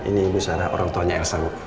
ini bu sara orang tuanya elsa bu